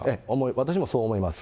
私もそう思います。